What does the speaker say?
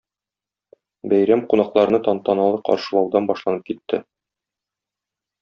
Бәйрәм кунакларны тантаналы каршылаудан башланып китте.